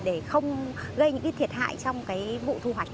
để không gây những cái thiệt hại trong cái vụ thu hoạch